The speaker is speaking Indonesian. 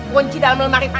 kunci dalam lemari pakaian